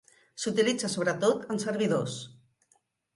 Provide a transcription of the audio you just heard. S'utilitzà sobretot en servidors.